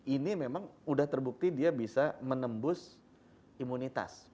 ini memang sudah terbukti dia bisa menembus imunitas